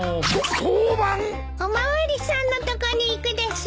お巡りさんのとこに行くです。